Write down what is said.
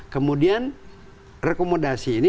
kemudian rekomendasi ini